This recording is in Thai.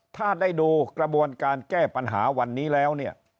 ถ้าได้ดูกระบวนการแก้ปัญหาวันนี้แล้วเนี่ย